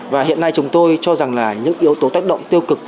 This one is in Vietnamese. và hiện nay chúng tôi cho rằng là những yếu tố tác động tiêu cực